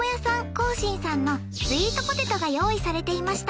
興伸さんのスイートポテトが用意されていました